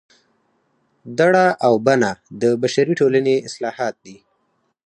دړه او بنه د بشري ټولنې اصطلاحات دي